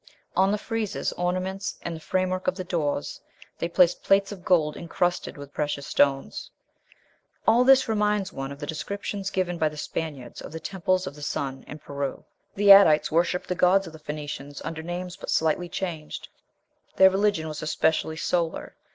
On the friezes, ornaments, and the framework of the doors they place plates of gold incrusted with precious stones." All this reminds one of the descriptions given by the Spaniards of the temples of the sun in Peru. The Adites worshipped the gods of the Phoenicians under names but slightly changed; "their religion was especially solar...